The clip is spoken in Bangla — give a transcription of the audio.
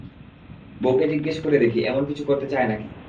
বউকে জিজ্ঞেস করে দেখি, এমন কিছু করতে চায় নাকি।